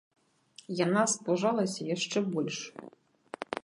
Яна спужалася яшчэ больш.